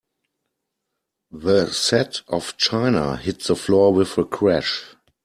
The set of china hit the floor with a crash.